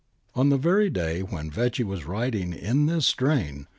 ^ On the very day when Vecchi was writing in this strain.